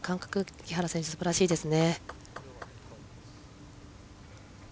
木原選手すばらしいですね。